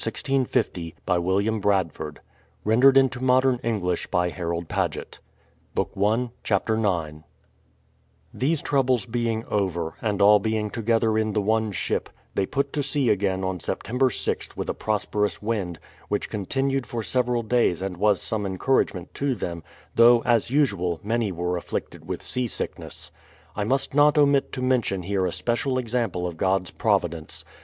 CHAPTER IX The Mayflower sails from Plymouth — Voyage — Arrival at Cape Cod: September November, 1620 These troubles being over, and all being together in the one ship, they put to sea again on September 6th with a prosperous wind, which continued for several days and was some encouragement to them, though, as usual, many were afflicted with sea sickness. I must not omit to mention here a special example of God's providence.